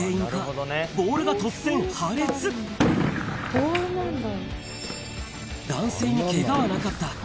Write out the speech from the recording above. ボールなんだ。